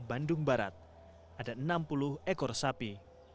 ada enam puluh ekor sapi